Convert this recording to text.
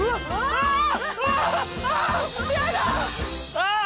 ああ！？